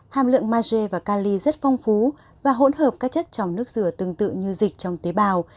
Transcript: hàm lượng maje và cali rất phong phú và hỗn hợp các chất trong nước rửa tương tự như dịch trong tế bào